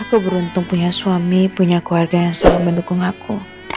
aku beruntung punya suami punya keluarga yang selalu mendukung aku